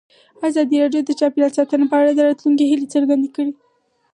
ازادي راډیو د چاپیریال ساتنه په اړه د راتلونکي هیلې څرګندې کړې.